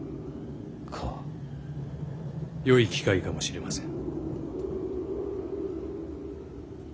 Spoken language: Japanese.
よい機会かもしれません。